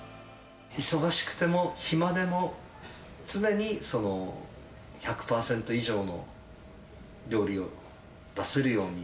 忙しくても暇でも、常に１００％以上の料理を出せるように。